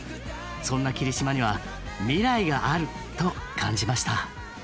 そんな霧島には未来があると感じました。